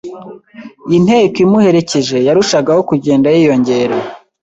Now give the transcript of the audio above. Inteko imuherekeje yarushagaho kugenda yiyongera,